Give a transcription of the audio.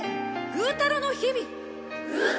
グータラの日々。